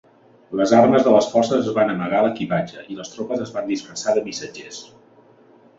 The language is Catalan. Les armes de les forces es van amagar a l"equipatge i les tropes es van disfressar de missatgers.